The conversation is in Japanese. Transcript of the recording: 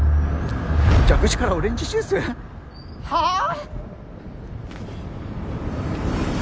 蛇口からオレンジジュース！？はあ！？